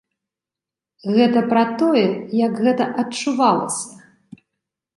Гэта пра тое, як гэта адчувалася.